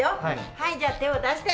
はいじゃあ手を出して。